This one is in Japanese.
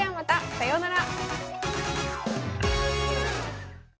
さようなら。